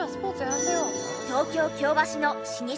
東京京橋の老舗